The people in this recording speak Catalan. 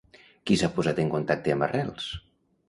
Qui s'ha posat en contacte amb Arrels?